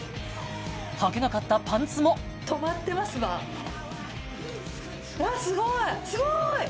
はけなかったパンツもうわすごいすごい！